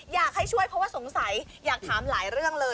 อยากให้ช่วยเพราะว่าสงสัยอยากถามหลายเรื่องเลย